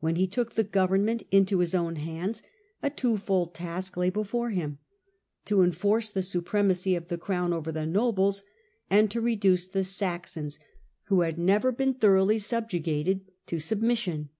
When he took the government into his own hands, a twofold task lay before him : to enforce the supremacy of the crown over the nobles, and to reduce the Saxons, who had never been thoroughly subjugated, to submission.